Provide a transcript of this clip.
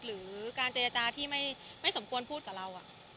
หรือการเจรจาที่ไม่สมควรพูดกับเรา